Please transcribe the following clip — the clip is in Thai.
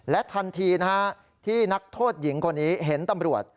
ทันทีนะฮะที่นักโทษหญิงคนนี้เห็นตำรวจ